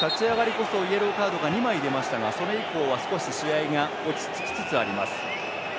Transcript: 立ち上がりこそイエローカードも２枚出ましたがその後は落ち着きつつあります。